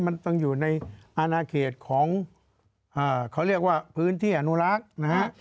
มันต้องอยู่ในอนาเขตของเขาเรียกว่าพื้นที่อนุรักษ์นะฮะ